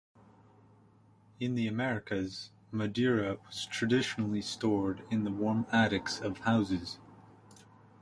In the Americas, Madeira was traditionally stored in the warm attics of houses.